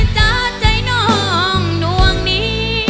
จากใจน้องนวงนี้